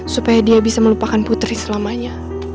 supaya dia bisa melupakan putri selamanya